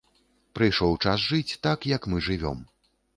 Прыйшоў час жыць так, як мы жывём.